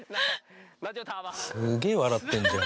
すげえ笑ってるじゃん。